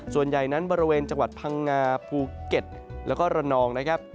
ส่วนใหญ่นั้นบริเวณจังหวัดพังงาภูเก็ตแล้วก็ระนองนะครับ